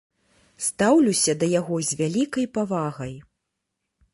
Стаўлюся да яго з вялікай павагай.